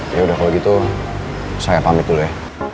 yaudah kalau gitu saya pamit dulu ya